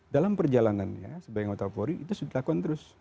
dalam perjalanannya sebagai anggota polri itu sudah dilakukan terus